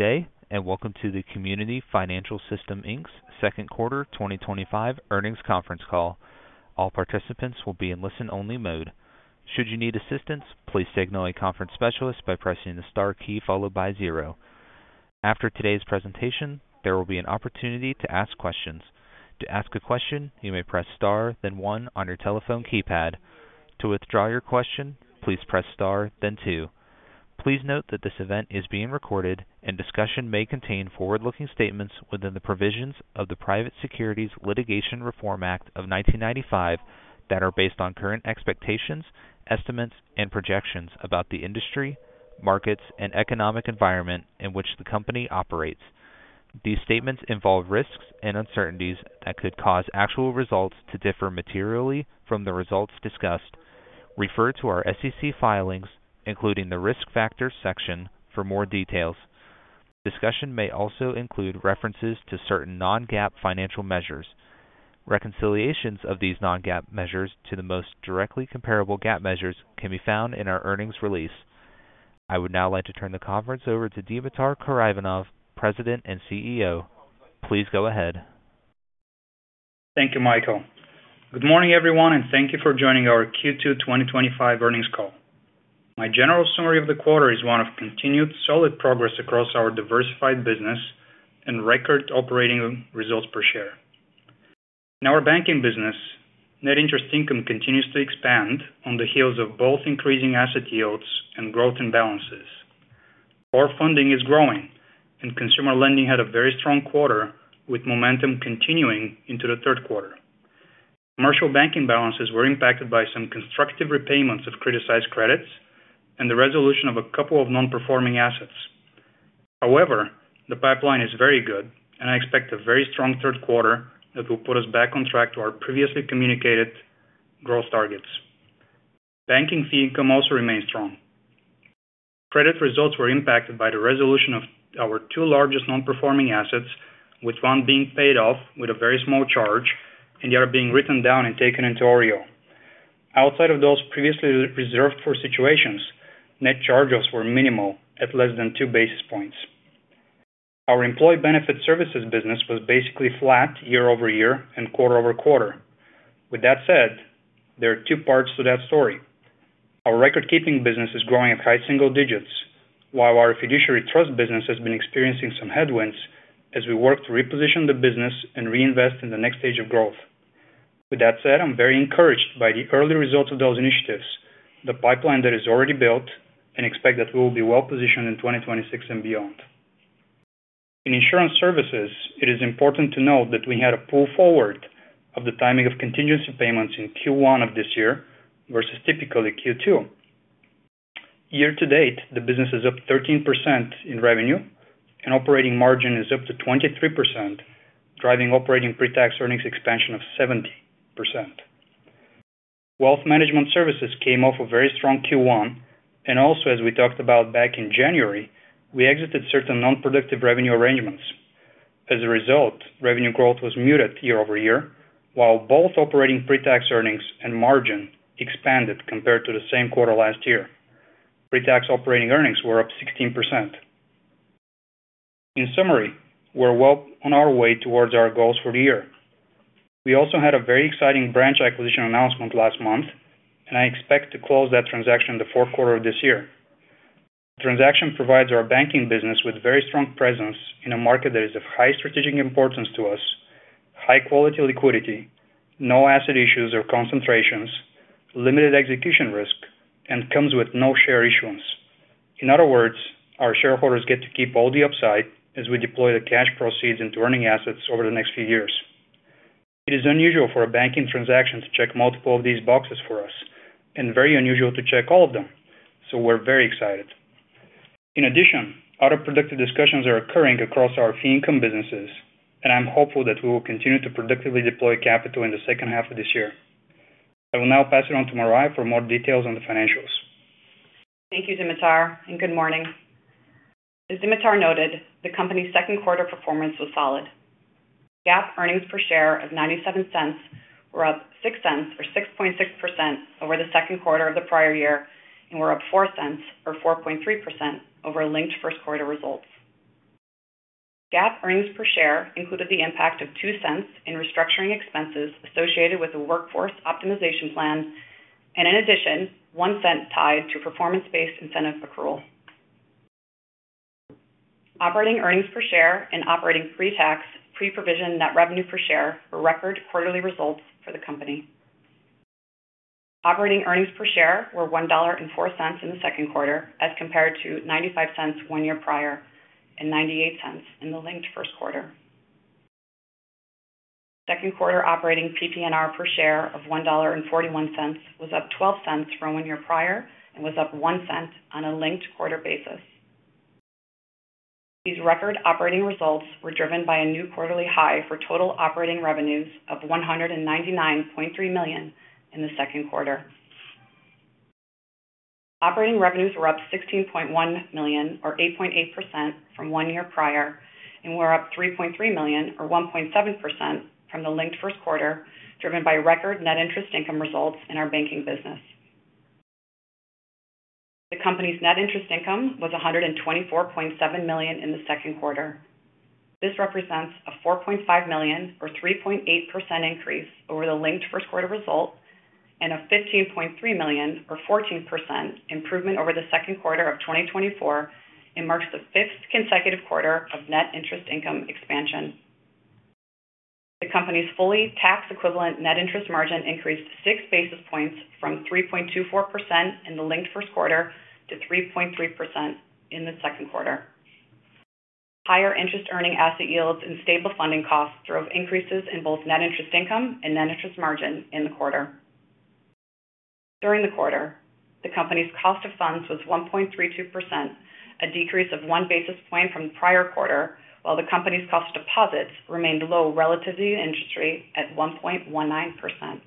Today, and welcome to the Community Financial System, Inc.'s Second Quarter 2025 Earnings Conference Call. All participants will be in listen-only mode. Should you need assistance, please signal a conference specialist by pressing the star key followed by zero. After today's presentation, there will be an opportunity to ask questions. To ask a question, you may press star, then one on your telephone keypad. To withdraw your question, please press star, then two. Please note that this event is being recorded, and discussion may contain forward-looking statements within the provisions of the Private Securities Litigation Reform Act of 1995 that are based on current expectations, estimates, and projections about the industry, markets, and economic environment in which the company operates. These statements involve risks and uncertainties that could cause actual results to differ materially from the results discussed. Refer to our SEC filings, including the Risk Factors section, for more details. Discussion may also include references to certain non-GAAP financial measures. Reconciliations of these non-GAAP measures to the most directly comparable GAAP measures can be found in our earnings release. I would now like to turn the conference over to Dimitar Karaivanov, President and CEO. Please go ahead. Thank you, Michael. Good morning, everyone, and thank you for joining our Q2 2025 earnings call. My general summary of the quarter is one of continued solid progress across our diversified business and record operating results per share. In our banking business, net interest income continues to expand on the heels of both increasing asset yields and growth in balances. Core funding is growing, and consumer lending had a very strong quarter, with momentum continuing into the third quarter. Commercial banking balances were impacted by some constructive repayments of criticized credits and the resolution of a couple of non-performing assets. However, the pipeline is very good, and I expect a very strong third quarter that will put us back on track to our previously communicated growth targets. Banking fee income also remains strong. Credit results were impacted by the resolution of our two largest non-performing assets, with one being paid off with a very small charge and the other being written down and taken into OREO. Outside of those previously reserved-for situations, net charge-offs were minimal, at less than two basis points. Our employee benefit services business was basically flat year over year and quarter over quarter. With that said, there are two parts to that story. Our record-keeping business is growing at high single digits, while our fiduciary trust business has been experiencing some headwinds as we work to reposition the business and reinvest in the next stage of growth. With that said, I'm very encouraged by the early results of those initiatives, the pipeline that is already built, and expect that we will be well-positioned in 2026 and beyond. In insurance services, it is important to note that we had a pull forward of the timing of contingency payments in Q1 of this year versus typically Q2. Year to date, the business is up 13% in revenue, and operating margin is up to 23%, driving operating pre-tax earnings expansion of 70%. Wealth management services came off a very strong Q1, and also, as we talked about back in January, we exited certain non-productive revenue arrangements. As a result, revenue growth was muted year over year, while both operating pre-tax earnings and margin expanded compared to the same quarter last year. Pre-tax operating earnings were up 16%. In summary, we're well on our way towards our goals for the year. We also had a very exciting branch acquisition announcement last month, and I expect to close that transaction in the fourth quarter of this year. The transaction provides our banking business with a very strong presence in a market that is of high strategic importance to us, high-quality liquidity, no asset issues or concentrations, limited execution risk, and comes with no share issuance. In other words, our shareholders get to keep all the upside as we deploy the cash proceeds into earning assets over the next few years. It is unusual for a banking transaction to check multiple of these boxes for us, and very unusual to check all of them, so we're very excited. In addition, other productive discussions are occurring across our fee income businesses, and I'm hopeful that we will continue to productively deploy capital in the second half of this year. I will now pass it on to Marya for more details on the financials. Thank you, Dimitar, and good morning. As Dimitar noted, the company's second quarter performance was solid. GAAP earnings per share of $0.97 were up $0.06, or 6.6%, over the second quarter of the prior year and were up $0.04, or 4.3%, over linked first quarter results. GAAP earnings per share included the impact of $0.02 in restructuring expenses associated with the workforce optimization plan, and in addition, $0.01 tied to performance-based incentive accrual. Operating earnings per share and operating pre-tax pre-provision net revenue per share were record quarterly results for the company. Operating earnings per share were $1.04 in the second quarter as compared to $0.95 one year prior and $0.98 in the linked first quarter. Second quarter operating PP&R per share of $1.41 was up $0.12 from one year prior and was up $0.01 on a linked quarter basis. These record operating results were driven by a new quarterly high for total operating revenues of $199.3 million in the second quarter. Operating revenues were up $16.1 million, or 8.8%, from one year prior and were up $3.3 million, or 1.7%, from the linked first quarter, driven by record net interest income results in our banking business. The company's net interest income was $124.7 million in the second quarter. This represents a $4.5 million or 3.8% increase over the linked first quarter result and a $15.3 million or 14% improvement over the second quarter of 2024 and marks the fifth consecutive quarter of net interest income expansion. The company's fully tax-equivalent net interest margin increased 6 basis points from 3.24% in the linked first quarter to 3.3% in the second quarter. Higher interest-earning asset yields and stable funding costs drove increases in both net interest income and net interest margin in the quarter. During the quarter, the company's cost of funds was 1.32%, a decrease of 1 basis point from the prior quarter, while the company's cost of deposits remained low relative to the industry at 1.19%.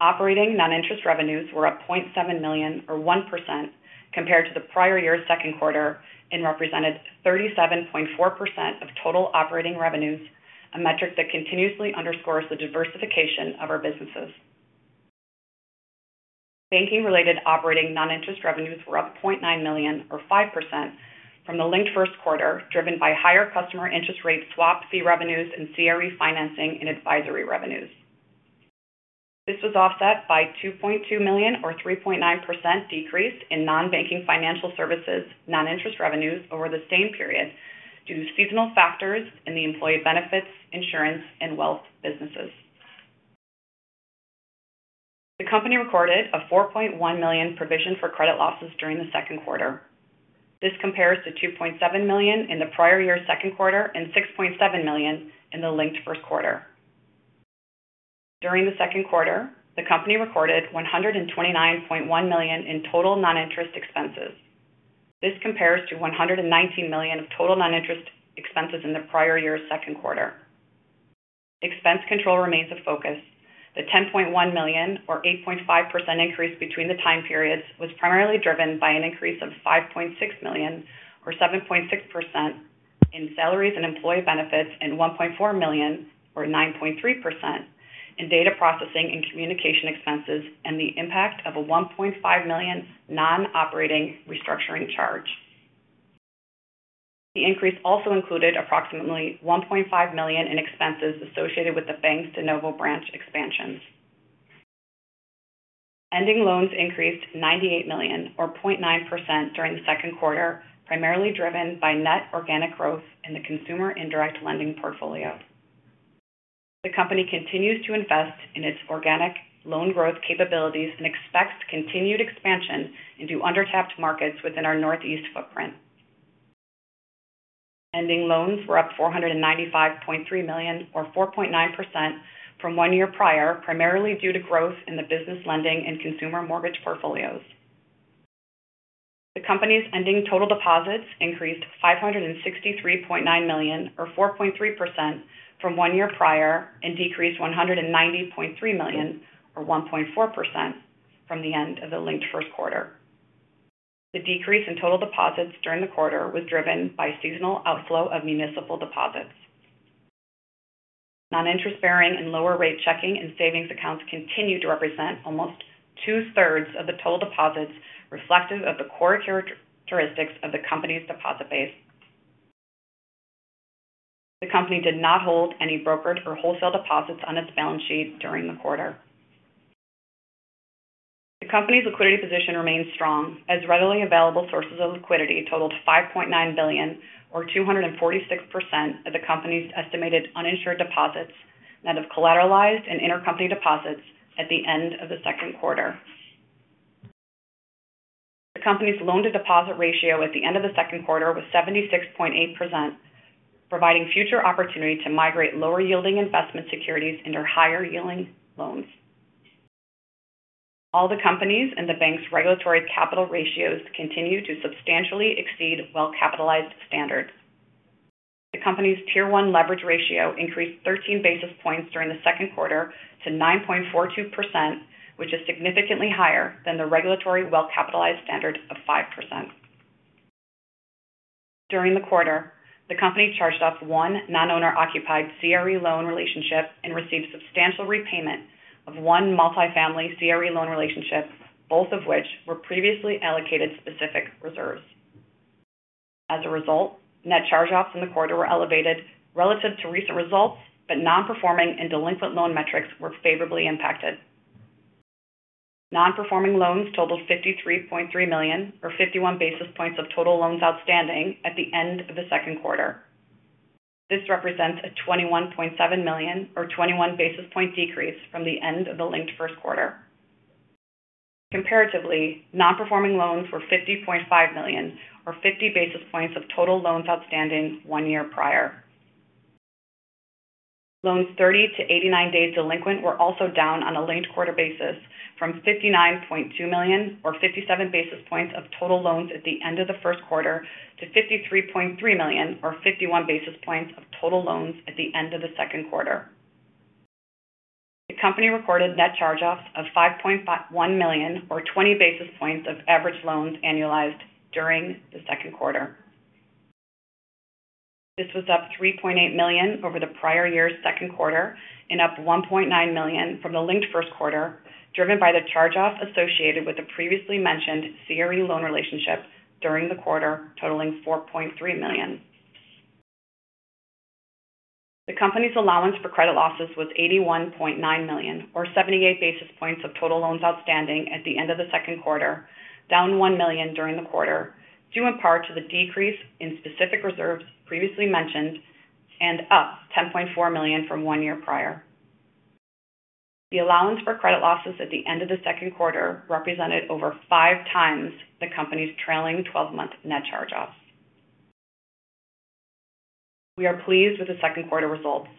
Operating non-interest revenues were up $0.7 million or 1% compared to the prior year's second quarter and represented 37.4% of total operating revenues, a metric that continuously underscores the diversification of our businesses. Banking-related operating non-interest revenues were up $0.9 million or 5% from the linked first quarter, driven by higher customer interest rate swap fee revenues and CRE financing and advisory revenues. This was offset by a $2.2 million or 3.9% decrease in non-banking financial services non-interest revenues over the same period due to seasonal factors in the employee benefits, insurance, and wealth businesses. The company recorded a $4.1 million provision for credit losses during the second quarter. This compares to $2.7 million in the prior year's second quarter and $6.7 million in the linked first quarter. During the second quarter, the company recorded $129.1 million in total non-interest expenses. This compares to $119 million of total non-interest expenses in the prior year's second quarter. Expense control remains a focus. The $10.1 million or 8.5% increase between the time periods was primarily driven by an increase of $5.6 million or 7.6% in salaries and employee benefits, $1.4 million or 9.3% in data processing and communication expenses, and the impact of a $1.5 million non-operating restructuring charge. The increase also included approximately $1.5 million in expenses associated with the bank's de novo branch expansions. Ending loans increased $98 million or 0.9% during the second quarter, primarily driven by net organic growth in the consumer indirect lending portfolio. The company continues to invest in its organic loan growth capabilities and expects continued expansion into undertapped markets within our Northeast footprint. Ending loans were up $495.3 million or 4.9% from one year prior, primarily due to growth in the business lending and consumer mortgage portfolios. The company's ending total deposits increased $563.9 million or 4.3% from one year prior and decreased $190.3 million or 1.4% from the end of the linked first quarter. The decrease in total deposits during the quarter was driven by seasonal outflow of municipal deposits. Non-interest-bearing and lower-rate checking and savings accounts continue to represent almost 2/3 of the total deposits, reflective of the core characteristics of the company's deposit base. The company did not hold any brokered or wholesale deposits on its balance sheet during the quarter. The company's liquidity position remains strong as readily available sources of liquidity totaled $5.9 billion or 246% of the company's estimated uninsured deposits that have collateralized in intercompany deposits at the end of the second quarter. The company's loan-to-deposit ratio at the end of the second quarter was 76.8%, providing future opportunity to migrate lower-yielding investment securities into higher-yielding loans. All the company's and the bank's regulatory capital ratios continue to substantially exceed well-capitalized standards. The company's tier-one leverage ratio increased 13 basis points during the second quarter to 9.42%, which is significantly higher than the regulatory well-capitalized standard of 5%. During the quarter, the company charged off one non-owner-occupied CRE loan relationship and received substantial repayment of one multifamily CRE loan relationship, both of which were previously allocated specific reserves. As a result, net charge-offs in the quarter were elevated relative to recent results, but non-performing and delinquent loan metrics were favorably impacted. Non-performing loans totaled $53.3 million or 51 basis points of total loans outstanding at the end of the second quarter. This represents a $21.7 million or 21 basis point decrease from the end of the linked first quarter. Comparatively, non-performing loans were $50.5 million or 50 basis points of total loans outstanding one year prior. Loans 30 to 89 days delinquent were also down on a linked quarter basis from $59.2 million or 57 basis points of total loans at the end of the first quarter to $53.3 million or 51 basis points of total loans at the end of the second quarter. The company recorded net charge-offs of $5.1 million or 20 basis points of average loans annualized during the second quarter. This was up $3.8 million over the prior year's second quarter and up $1.9 million from the linked first quarter, driven by the charge-off associated with the previously mentioned CRE loan relationship during the quarter totaling $4.3 million. The company's allowance for credit losses was $81.9 million or 78 basis points of total loans outstanding at the end of the second quarter, down $1 million during the quarter, due in part to the decrease in specific reserves previously mentioned and up $10.4 million from one year prior. The allowance for credit losses at the end of the second quarter represented over five times the company's trailing 12-month net charge-offs. We are pleased with the second quarter results.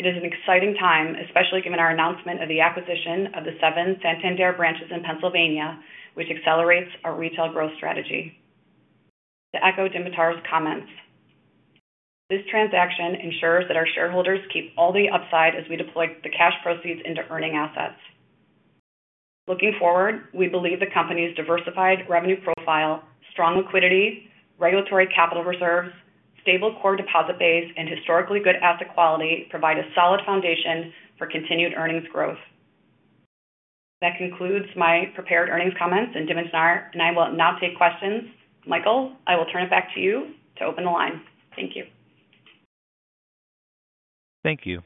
It is an exciting time, especially given our announcement of the acquisition of the seven Santander branches in Pennsylvania, which accelerates our retail growth strategy. To echo Dimitar's comments, this transaction ensures that our shareholders keep all the upside as we deploy the cash proceeds into earning assets. Looking forward, we believe the company's diversified revenue profile, strong liquidity, regulatory capital reserves, stable core deposit base, and historically good asset quality provide a solid foundation for continued earnings growth. That concludes my prepared earnings comments, and Dimitar and I will now take questions. Michael, I will turn it back to you to open the line. Thank you. Thank you.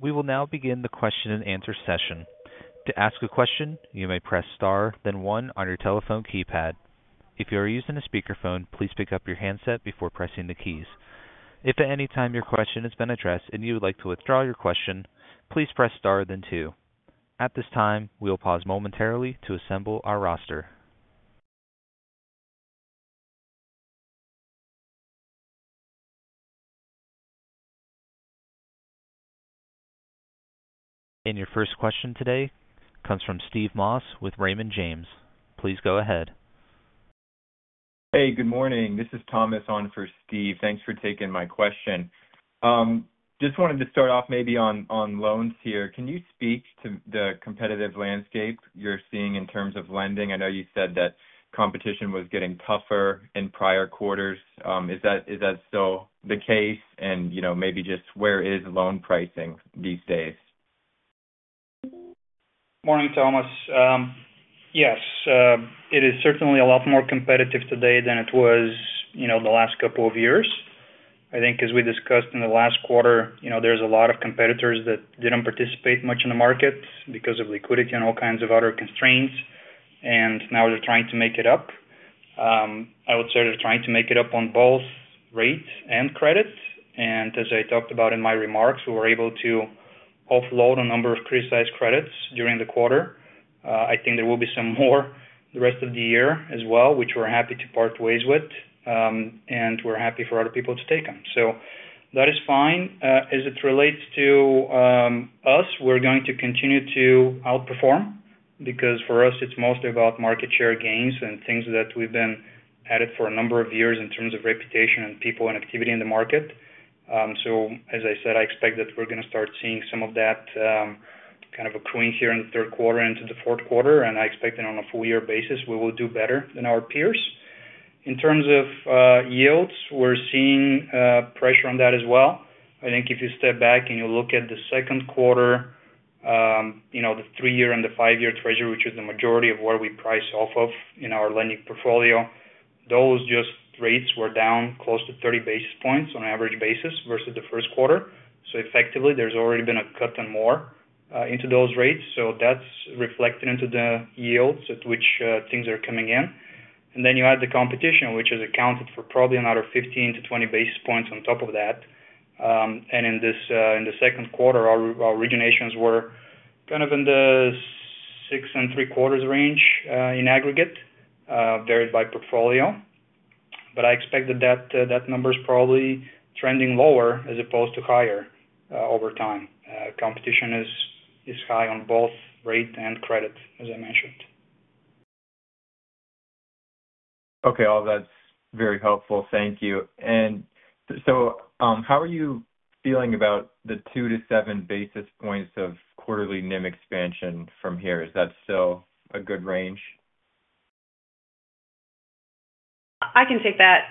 We will now begin the question and answer session. To ask a question, you may press star, then one on your telephone keypad. If you are using a speakerphone, please pick up your handset before pressing the keys. If at any time your question has been addressed and you would like to withdraw your question, please press star, then two. At this time, we will pause momentarily to assemble our roster. Your first question today comes from Steve Moss with Raymond James. Please go ahead. Good morning. This is Thomas on for Steve. Thanks for taking my question. Just wanted to start off maybe on loans here. Can you speak to the competitive landscape you're seeing in terms of lending? I know you said that competition was getting tougher in prior quarters. Is that still the case? Maybe just where is loan pricing these days? Morning, Thomas. Yes, it is certainly a lot more competitive today than it was the last couple of years. I think, as we discussed in the last quarter, there's a lot of competitors that didn't participate much in the markets because of liquidity and all kinds of other constraints, and now they're trying to make it up. I would say they're trying to make it up on both rates and credits. As I talked about in my remarks, we were able to offload a number of criticized credits during the quarter. I think there will be some more the rest of the year as well, which we're happy to part ways with, and we're happy for other people to take them. That is fine. As it relates to us, we're going to continue to outperform because for us, it's mostly about market share gains and things that we've been at it for a number of years in terms of reputation and people and activity in the market. As I said, I expect that we're going to start seeing some of that kind of accruing here in the third quarter and into the fourth quarter, and I expect that on a full-year basis, we will do better than our peers. In terms of yields, we're seeing pressure on that as well. I think if you step back and you look at the second quarter, you know the three-year and the five-year Treasury, which is the majority of where we price off of in our lending portfolio, those rates were down close to 30 basis points on an average basis versus the first quarter. Effectively, there's already been a cut and more into those rates. That is reflected into the yields at which things are coming in. You add the competition, which has accounted for probably another 15 basis points-20 basis points on top of that. In the second quarter, our originations were kind of in the 6.75% range in aggregate, varied by portfolio. I expect that that number is probably trending lower as opposed to higher over time. Competition is high on both rate and credit, as I mentioned. Okay, all that's very helpful. Thank you. How are you feeling about the 2 basis points-7 basis points of quarterly NIM expansion from here? Is that still a good range? I can take that.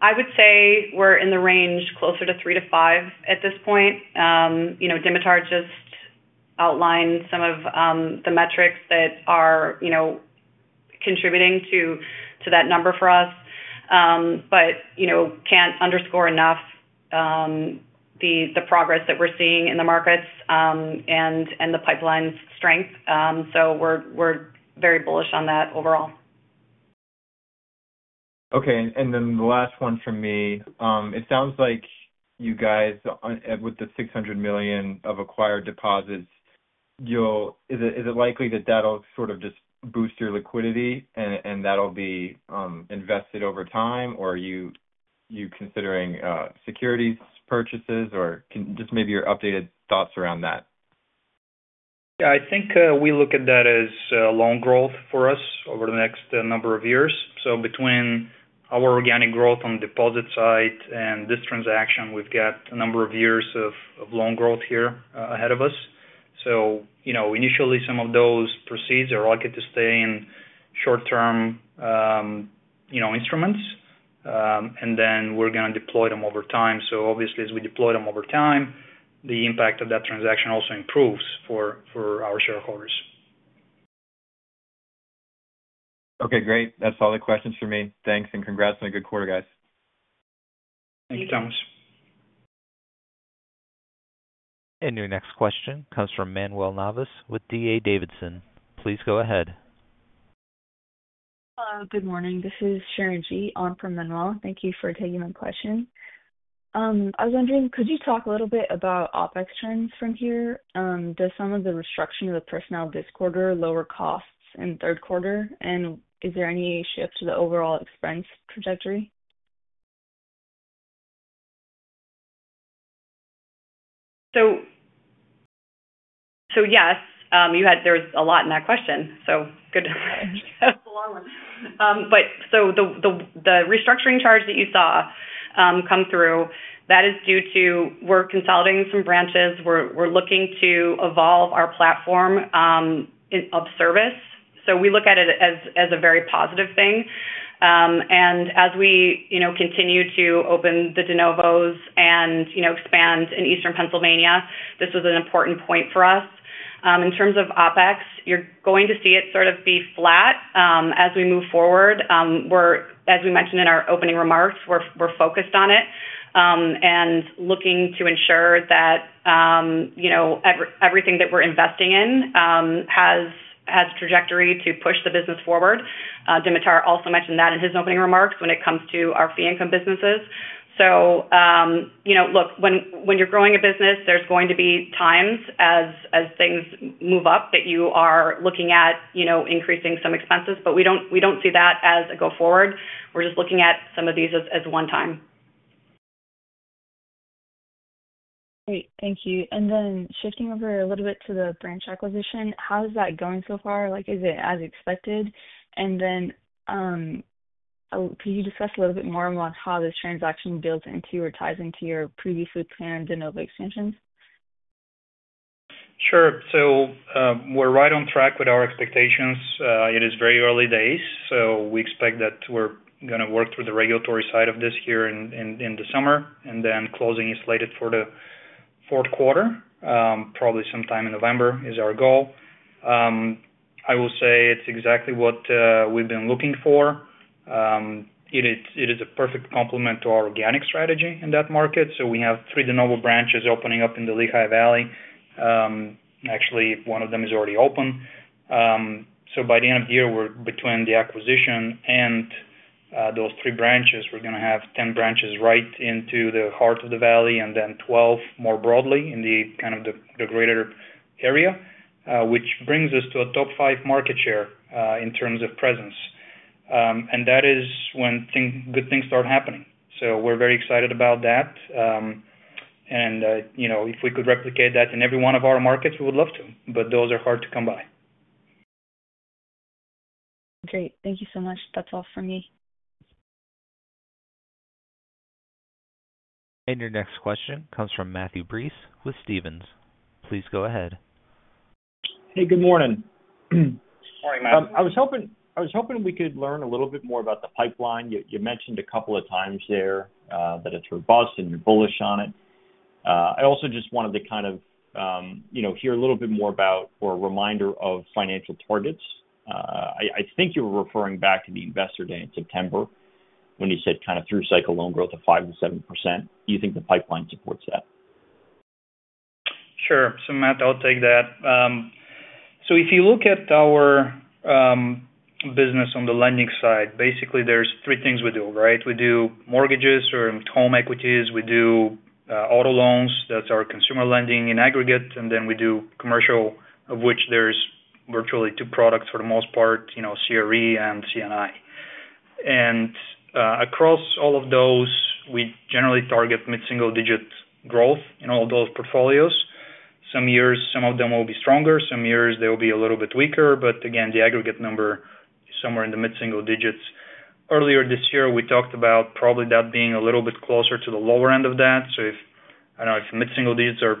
I would say we're in the range closer to three to five at this point. Dimitar just outlined some of the metrics that are contributing to that number for us, but you know can't underscore enough the progress that we're seeing in the markets and the pipeline's strength. We're very bullish on that overall. Okay. The last one from me. It sounds like you guys, with the $600 million of acquired deposits, is it likely that that'll sort of just boost your liquidity and that'll be invested over time? Are you considering securities purchases? Maybe your updated thoughts around that? I think we look at that as loan growth for us over the next number of years. Between our organic growth on the deposit side and this transaction, we've got a number of years of loan growth here ahead of us. Initially, some of those proceeds are likely to stay in short-term instruments, and then we're going to deploy them over time. Obviously, as we deploy them over time, the impact of that transaction also improves for our shareholders. Okay, great. That's all the questions for me. Thanks and congrats on a good quarter, guys. Thank you, Thomas. Your next question comes from Manuel Navas with D.A. Davidson. Please go ahead. Hello. Good morning. This is Sharon Gee on for Manuel. Thank you for taking my question. I was wondering, could you talk a little bit about OpEx trends from here? Does some of the restructuring of the personnel this quarter lower costs in third quarter? Is there any shift to the overall expense trajectory? Yes, there was a lot in that question. That was a long one. The restructuring charge that you saw come through is due to consolidating some branches. We're looking to evolve our platform in up-service. We look at it as a very positive thing. As we continue to open the de novo branches and expand in Eastern Pennsylvania, this was an important point for us. In terms of OpEx, you're going to see it sort of be flat as we move forward. As we mentioned in our opening remarks, we're focused on it and looking to ensure that everything that we're investing in has a trajectory to push the business forward. Dimitar also mentioned that in his opening remarks when it comes to our fee income businesses. When you're growing a business, there are going to be times as things move up that you are looking at increasing some expenses, but we don't see that as a go-forward. We're just looking at some of these as one-time. Great. Thank you. Shifting over a little bit to the branch acquisition, how is that going so far? Is it as expected? Could you discuss a little bit more on how this transaction builds into or ties into your previously planned de novo expansions? Sure. We're right on track with our expectations. It is very early days, so we expect that we're going to work through the regulatory side of this here in the summer, and closing is slated for the fourth quarter, probably sometime in November is our goal. I will say it's exactly what we've been looking for. It is a perfect complement to our organic strategy in that market. We have three de novo branches opening up in the Lehigh Valley. Actually, one of them is already open. By the end of the year, between the acquisition and those three branches, we're going to have 10 branches right into the heart of the valley and then 12 more broadly in the greater area, which brings us to a top five market share in terms of presence. That is when good things start happening. We're very excited about that. If we could replicate that in every one of our markets, we would love to, but those are hard to come by. Great. Thank you so much. That's all for me. Your next question comes from Matthew Breese with Stephens. Please go ahead. Hey, good morning. Morning, Matt. I was hoping we could learn a little bit more about the pipeline. You mentioned a couple of times that it's robust and you're bullish on it. I also just wanted to hear a little bit more about, or a reminder of, financial targets. I think you were referring back to the investor day in September when you said through cycle loan growth of 5%-7%. Do you think the pipeline supports that? Sure. Matt, I'll take that. If you look at our business on the lending side, basically, there are three things we do, right? We do mortgages or home equities. We do auto loans. That's our consumer lending in aggregate. Then we do commercial, of which there are virtually two products for the most part, CRE and CNI. Across all of those, we generally target mid-single-digit growth in all of those portfolios. Some years, some of them will be stronger. Some years, they'll be a little bit weaker. The aggregate number is somewhere in the mid-single digits. Earlier this year, we talked about probably that being a little bit closer to the lower end of that. If mid-single digits are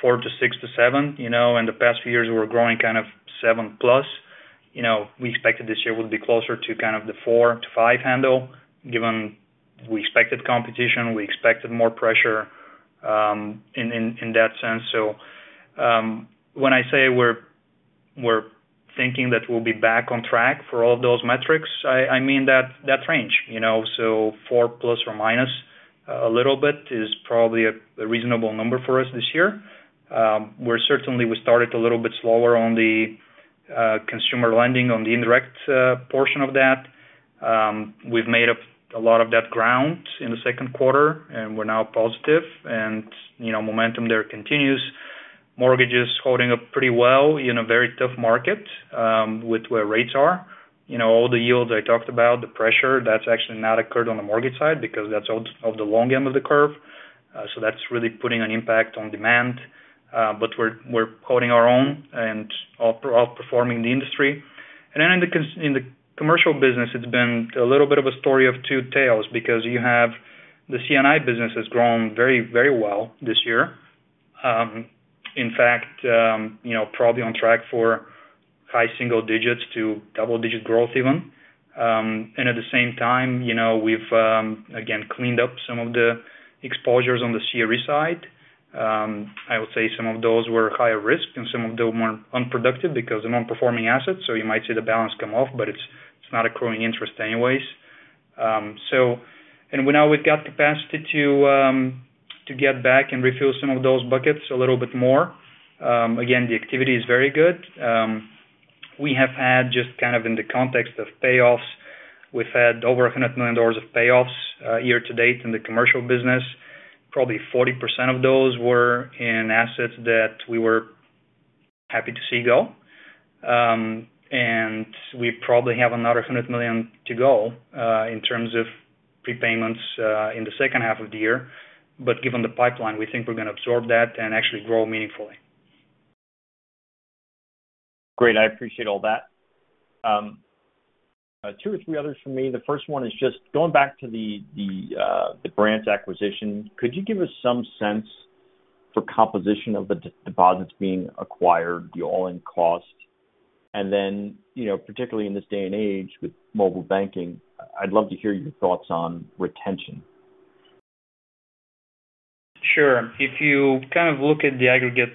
four to six to seven, and the past few years, we were growing kind of 7+, we expected this year would be closer to kind of the four to five handle, given we expected competition. We expected more pressure in that sense. When I say we're thinking that we'll be back on track for all of those metrics, I mean that range. Four plus or minus a little bit is probably a reasonable number for us this year. We certainly started a little bit slower on the consumer lending, on the indirect portion of that. We've made up a lot of that ground in the second quarter, and we're now positive. Momentum there continues. Mortgage is holding up pretty well in a very tough market with where rates are. All the yields I talked about, the pressure, that's actually not occurred on the mortgage side because that's the long end of the curve. That's really putting an impact on demand. We're holding our own and outperforming the industry. In the commercial business, it's been a little bit of a story of two tales because you have the CNI business has grown very, very well this year. In fact, probably on track for high single digits to double-digit growth even. At the same time, we've again cleaned up some of the exposures on the CRE side. I would say some of those were higher risk and some of them were unproductive because of the non-performing assets. You might see the balance come off, but it's not accruing interest anyways. Now we've got capacity to get back and refill some of those buckets a little bit more. The activity is very good. We have had just in the context of payoffs, we've had over $100 million of payoffs year to date in the commercial business. Probably 40% of those were in assets that we were happy to see go. We probably have another $100 million to go in terms of prepayments in the second half of the year. Given the pipeline, we think we're going to absorb that and actually grow meaningfully. Great. I appreciate all that. Two or three others from me. The first one is just going back to the branch acquisition. Could you give us some sense for the composition of the deposits being acquired, the all-in cost? Particularly in this day and age with mobile banking, I'd love to hear your thoughts on retention. Sure. If you kind of look at the aggregate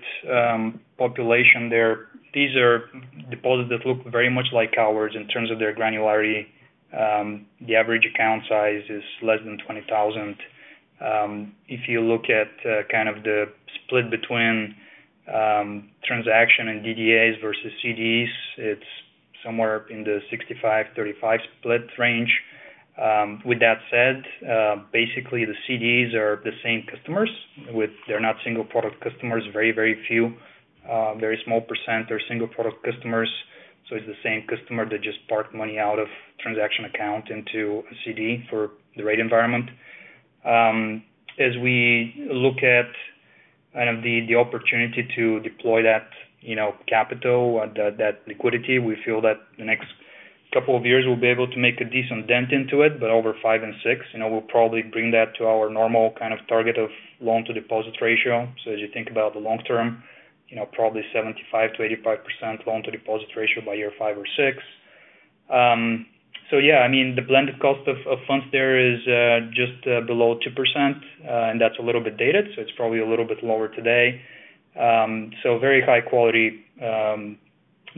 population there, these are deposits that look very much like ours in terms of their granularity. The average account size is less than $20,000. If you look at kind of the split between transaction and DDAs versus CDs, it's somewhere up in the 65/35 split range. With that said, basically, the CDs are the same customers. They're not single product customers. Very, very few, very small % are single product customers. It's the same customer that just parked money out of a transaction account into a CD for the rate environment. As we look at kind of the opportunity to deploy that capital, that liquidity, we feel that the next couple of years, we'll be able to make a decent dent into it. Over five and six, we'll probably bring that to our normal kind of target of loan-to-deposit ratio. As you think about the long term, probably 75%-85% loan-to-deposit ratio by year five or six. The blended cost of funds there is just below 2%, and that's a little bit dated. It's probably a little bit lower today. Very high-quality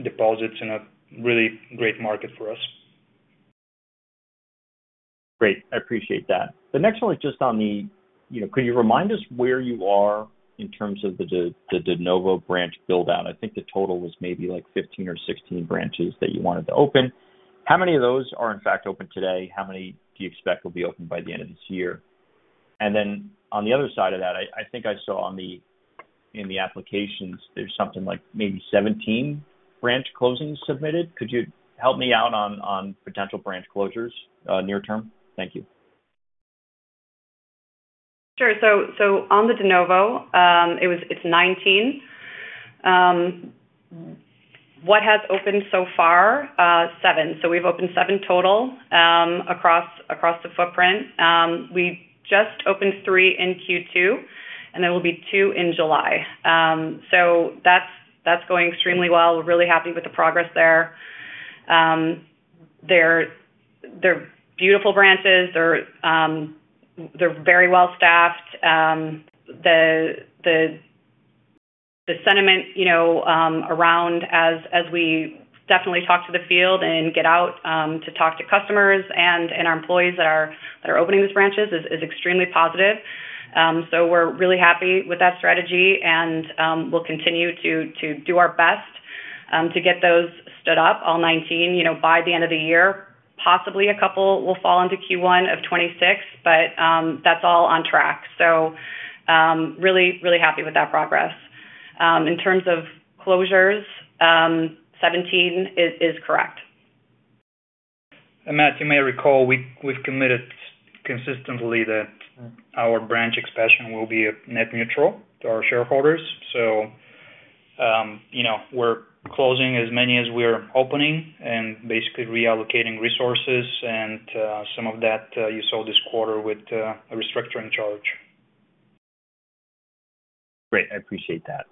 deposits in a really great market for us. Great. I appreciate that. The next one is just on the, could you remind us where you are in terms of the de novo branch build-out? I think the total was maybe like 15 or 16 branches that you wanted to open. How many of those are in fact open today? How many do you expect will be open by the end of this year? On the other side of that, I think I saw in the applications, there's something like maybe 17 branch closings submitted. Could you help me out on potential branch closures near term? Thank you. Sure. On the de novo, it's 19. What has opened so far? Seven. We've opened seven total across the footprint. We just opened three in Q2, and there will be two in July. That's going extremely well. We're really happy with the progress there. They're beautiful branches. They're very well staffed. The sentiment around, as we definitely talk to the field and get out to talk to customers and our employees that are opening these branches, is extremely positive. We're really happy with that strategy, and we'll continue to do our best to get those stood up, all 19, by the end of the year. Possibly a couple will fall into Q1 of 2026, but that's all on track. We're really, really happy with that progress. In terms of closures, 17 is correct. Matt, you may recall, we've committed consistently that our branch expansion will be net neutral to our shareholders. We're closing as many as we're opening and basically reallocating resources. Some of that you saw this quarter with a restructuring charge. Great. I appreciate that.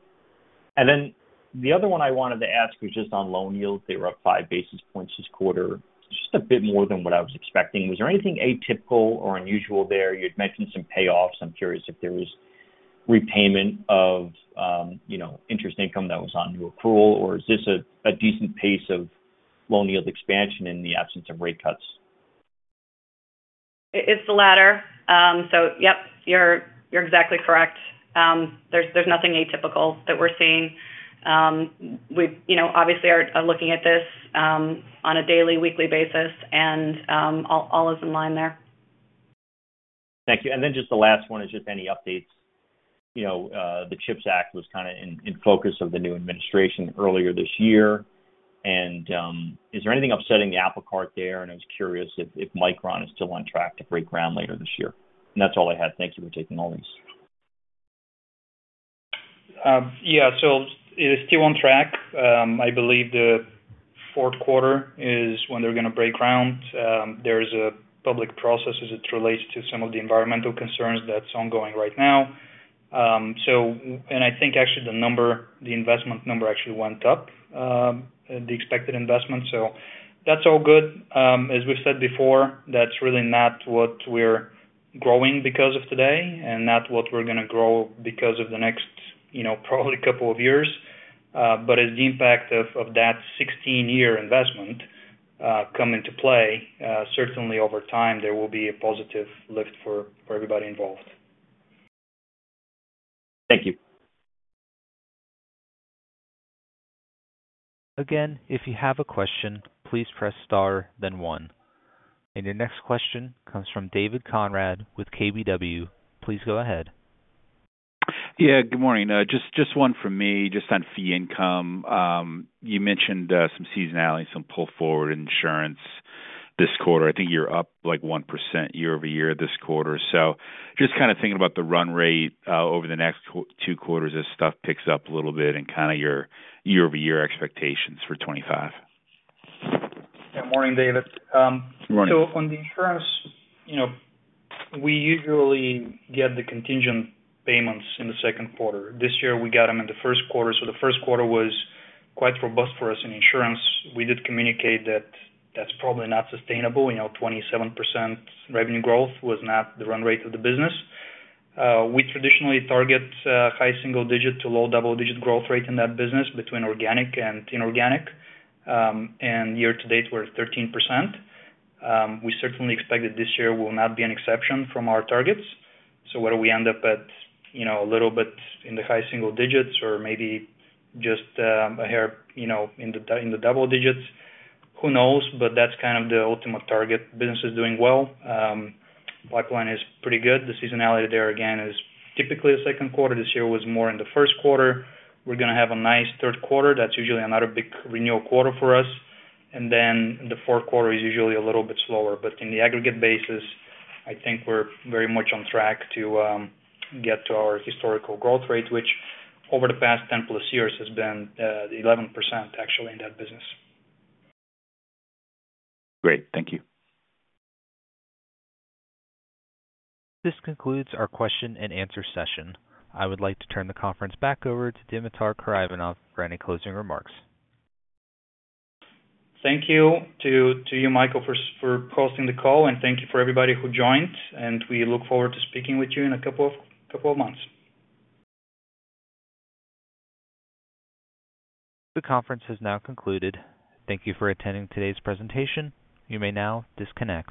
The other one I wanted to ask was just on loan yields. They were up five basis points this quarter. It's just a bit more than what I was expecting. Was there anything atypical or unusual there? You had mentioned some payoffs. I'm curious if there is repayment of interest income that was on new accrual, or is this a decent pace of loan yield expansion in the absence of rate cuts? It's the latter. You're exactly correct. There's nothing atypical that we're seeing. We obviously are looking at this on a daily, weekly basis, and all is in line there. Thank you. Just the last one is any updates. The CHIPS Act was kind of in focus of the new administration earlier this year. Is there anything upsetting the apple cart there? I was curious if Micron is still on track to break ground later this year. That's all I had. Thank you for taking all these. It is still on track. I believe the fourth quarter is when they're going to break ground. There's a public process as it relates to some of the environmental concerns that's ongoing right now. I think actually the number, the investment number actually went up, the expected investment. That's all good. As we've said before, that's really not what we're growing because of today and not what we're going to grow because of the next probably couple of years. As the impact of that 16-year investment comes into play, certainly over time, there will be a positive lift for everybody involved. Thank you. Again, if you have a question, please press star, then one. Your next question comes from David Konrad with KBW. Please go ahead. Good morning. Just one from me, just on fee income. You mentioned some seasonality, some pull forward insurance this quarter. I think you're up like 1% year over year this quarter. Just kind of thinking about the run rate over the next two quarters as stuff picks up a little bit and kind of your year-over-year expectations for 2025. Yeah, morning, David. Morning. On the insurance, we usually get the contingent payments in the second quarter. This year, we got them in the first quarter. The first quarter was quite robust for us in insurance. We did communicate that that's probably not sustainable. 27% revenue growth was not the run rate of the business. We traditionally target high single-digit to low double-digit growth rate in that business between organic and inorganic. Year to date, we're at 13%. We certainly expect that this year will not be an exception from our targets. Whether we end up a little bit in the high single digits or maybe just a hair in the double digits, who knows? That's kind of the ultimate target. Business is doing well. Pipeline is pretty good. The seasonality there, again, is typically the second quarter. This year was more in the first quarter. We're going to have a nice third quarter. That's usually another big renewal quarter for us. The fourth quarter is usually a little bit slower. In the aggregate basis, I think we're very much on track to get to our historical growth rate, which over the past 10+ years has been 11%, actually, in that business. Great. Thank you. This concludes our question and answer session. I would like to turn the conference back over to Dimitar Karaivanov for any closing remarks. Thank you to you, Michael, for hosting the call. Thank you for everybody who joined. We look forward to speaking with you in a couple of months. The conference has now concluded. Thank you for attending today's presentation. You may now disconnect.